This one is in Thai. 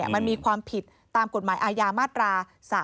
มันมีความผิดตามกฎหมายอาญามาตรา๓๔